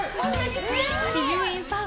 伊集院さん